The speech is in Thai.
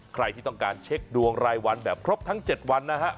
ใครที่ต้องการเช็คดวงรายวันแบบครบทั้ง๗วันนะฮะ